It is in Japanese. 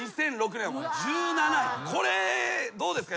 これどうですか？